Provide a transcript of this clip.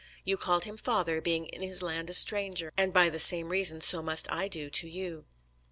You called him father, being in his land a stranger, and by the same reason so must I do to you."